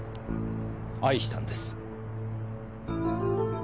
愛したんです。